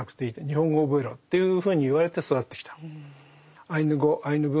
日本語を覚えろ」っていうふうに言われて育ってきた。